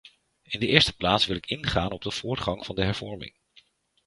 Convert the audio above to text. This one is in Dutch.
In de eerste plaats wil ik ingaan op de voortgang van de hervorming.